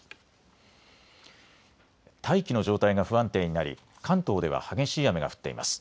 大気の状態が不安定になり関東では激しい雨が降っています。